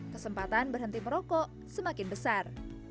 kesempatan berhenti merokok semakin besar